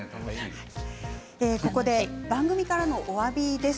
ここで番組からのおわびです。